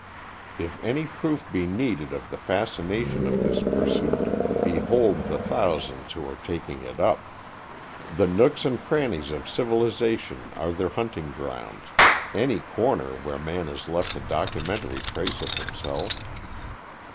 If any proof be needed of the fascination of this pursuit, behold the thousands who are taking it up! The nooks and crannies of civilization are their hunting grounds any corner where man has left a documentary trace of himself.